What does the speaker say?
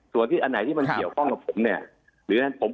ส่วนที่แหละในที่เป้าหมายนั้นเห่ยวข้องกับผม